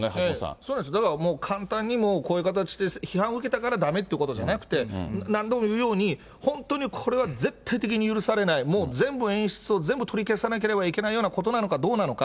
そうです、だからもう、簡単にこういう形で批判を受けたからだめってことじゃなくて、何度も言うように、本当にこれは絶対的に許されない、もう全部演出を全部取り消さなければいけないようなことなのか、どうかなのか。